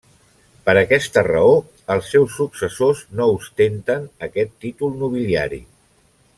Per aquesta raó els seus successors no ostenten aquest títol nobiliari.